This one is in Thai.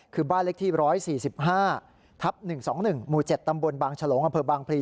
คือบ้านเลขที่๑๔๕ทับ๑๒๑หมู่๗ตำบลบางฉลงอำเภอบางพลี